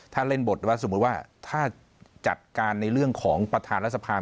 ถ้าเล่นบทไว้สมมุติว่าถ้าจัดการในเรื่องของประธานรัฐสภา